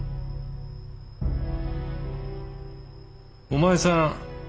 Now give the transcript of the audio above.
お前さん